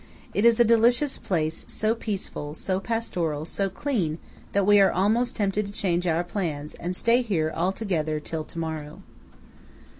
It is a delicious place; so peaceful, so pastoral, so clean, that we are almost tempted to change our plans, and stay here altogether till to morrow.